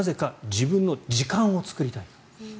自分の時間を作りたい。